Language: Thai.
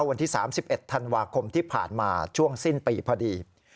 วันที่๓๑ธันวาคมที่ผ่านมาช่วงสิ้นปีพอดี